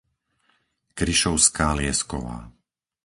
Krišovská Liesková